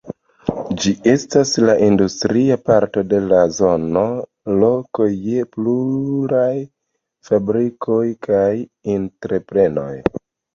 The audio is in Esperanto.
Ĝi estas la industria parto de la zono, loko je pluraj fabrikoj kaj entreprenoj.